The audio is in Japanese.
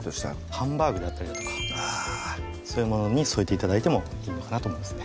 ハンバーグであったりだとかそういうものに添えて頂いてもいいのかなと思いますね